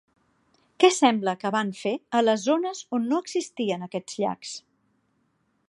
Què sembla que van fer a les zones on no existien aquests llacs?